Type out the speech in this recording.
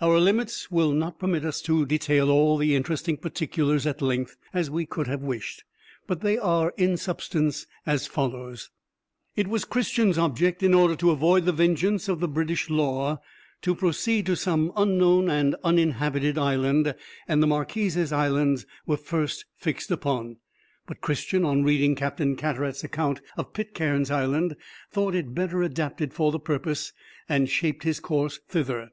Our limits will not permit us to detail all the interesting particulars at length, as we could have wished, but they are in substance as follows:— It was Christian's object, in order to avoid the vengeance of the British law, to proceed to some unknown and uninhabited island, and the Marquesas Islands were first fixed upon. But Christian, on reading Captain Cartaret's account of Pitcairn's Island, thought it better adapted for the purpose, and shaped his course thither.